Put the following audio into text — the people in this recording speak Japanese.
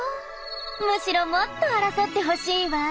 むしろもっと争ってほしいわ。